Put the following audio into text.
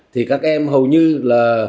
thì các em hầu như là